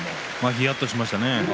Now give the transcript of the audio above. ひやっとしましたね。